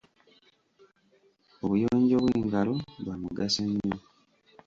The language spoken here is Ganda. Obuyonjo bw'engalo bwa mugaso nnyo.